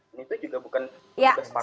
ini itu juga bukan